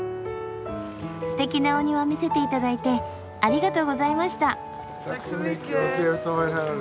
ステキなお庭見せていただいてありがとうございました。